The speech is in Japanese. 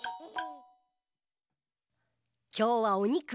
きょうはおにく？